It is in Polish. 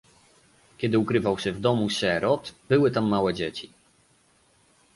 "Kiedy ukrywał się w domu sierot, były tam małe dzieci."